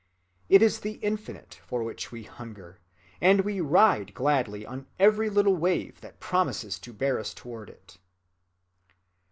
It is the infinite for which we hunger, and we ride gladly on every little wave that promises to bear us towards it."